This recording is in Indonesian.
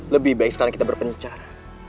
lebih baik sekarang kita berpencar